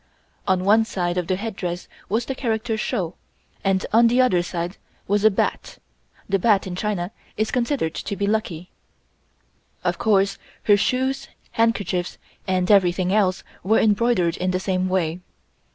On one side of the headdress was the character (shou) and on the other side was a bat (the bat in China is considered to be lucky). Of course her shoes, handkerchiefs and everything else were embroidered in the same way.